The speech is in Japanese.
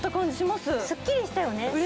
すっきりしたよね。